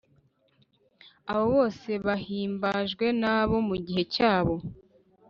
Abo bose bahimbajwe n’abo mu gihe cyabo,